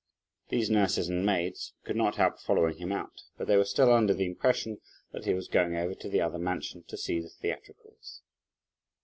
These nurses and maids could not help following him out; but they were still under the impression that he was going over to the other mansion to see the theatricals.